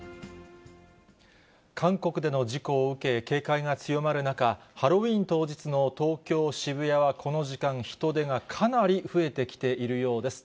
韓国での事故を受け、警戒が強まる中、ハロウィーン当日の東京・渋谷は、この時間、人出がかなり増えてきているようです。